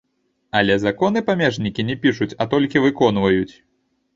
Але законы памежнікі не пішуць, а толькі выконваюць.